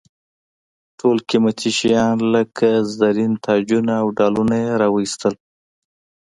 ټول قیمتي شیان لکه زرین تاجونه او ډالونه یې را واېستل.